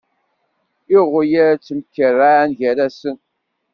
Iɣyal ttemkerrɛan gar-asen.